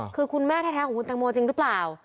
คือคุณแม่แท้ของคุณตังโมจริงหรือเปล่า